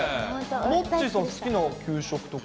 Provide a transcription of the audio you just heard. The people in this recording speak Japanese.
モッチーさん、好きな給食とかあ